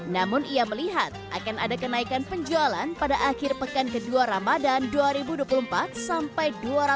namun ia melihat akan ada kenaikan penjualan pada akhir pekan kedua ramadan dua ribu dua puluh empat sampai dua ribu dua puluh dua